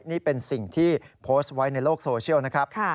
นี่เป็นสิ่งที่โพสต์ไว้ในโลกโซเชียลนะครับ